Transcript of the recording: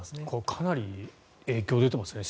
かなり影響出てますね